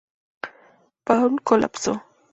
Paul colapsó.